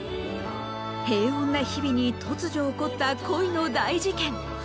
平穏な日々に突如起こった恋の大事件。